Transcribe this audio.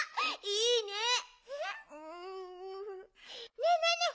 ねえねえねえ